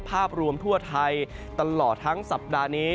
ภาพรวมทั่วไทยตลอดทั้งสัปดาห์นี้